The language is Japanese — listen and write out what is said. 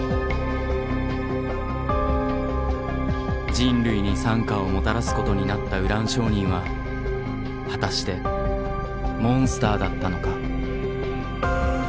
人類に惨禍をもたらすことになったウラン商人は果たしてモンスターだったのか。